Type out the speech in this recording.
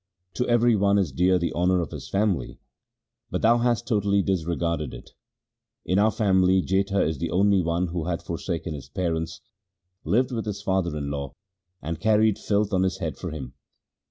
To every one is dear the honour of his family, but thou hast totally disregarded it. In our family Jetha is the only one who hath for saken his parents, lived with his father in law, and carried filth on his head for him.